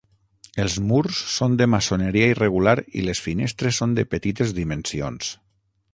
Els murs són de maçoneria irregular i les finestres són de petites dimensions.